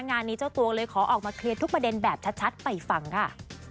งานนี้เจ้าตัวเลยขอออกมาเคลียร์ทุกประเด็นแบบชัดไปฟังค่ะ